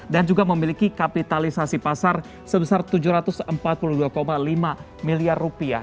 dan juga memiliki kapitalisasi pasar sebesar tujuh ratus empat puluh dua lima miliar rupiah